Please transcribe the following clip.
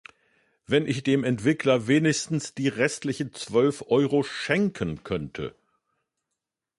Wenn ich dem Entwickler wenigstens die restlichen zwölf Euro schenken könnte!